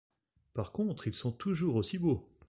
Par contre ils sont toujours aussi beaux.